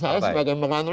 saya sebagai penganggur